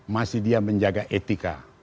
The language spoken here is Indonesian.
masih dia menjaga etika